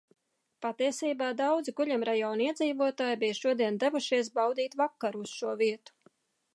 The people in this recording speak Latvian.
Patiesībā daudzi guļamrajona iedzīvotāji bija šodien devušies baudīt vakaru uz šo vietu.